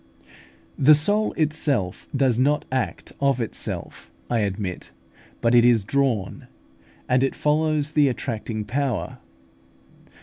The soul does not act of itself, I admit; but it is drawn, and it follows the attracting power.